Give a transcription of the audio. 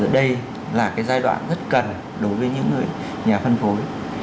đây là cái giai đoạn rất cần đối với những người nhà phân phối